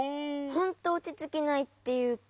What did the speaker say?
ほんとおちつきないっていうか。